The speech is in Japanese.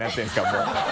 もう。